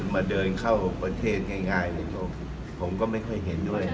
มาเดินเข้าประเทศง่ายเลยผมก็ไม่ค่อยเห็นด้วย